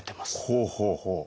ほうほうほう。